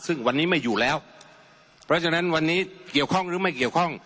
ซึ่งวันนี้ไม่อยู่แล้วเพราะฉะนั้นวันนี้เกี่ยวข้องหรือไม่เกี่ยวข้อง